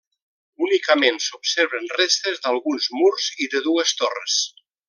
Únicament s'observen restes d'alguns murs i de dues torres.